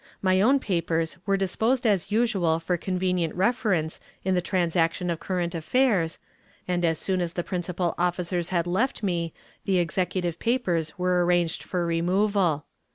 My own papers were disposed as usual for convenient reference in the transaction of current affairs, and as soon as the principal officers had left me the executive papers were arranged for removal.